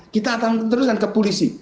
kita akan teruskan ke polisi